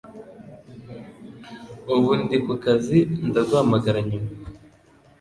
Ubu ndi kukazi, ndaguhamagara nyuma.